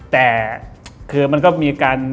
แต่คือมันก็มีการ